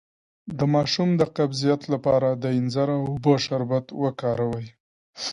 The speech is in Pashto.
د ماشوم د قبضیت لپاره د انځر او اوبو شربت وکاروئ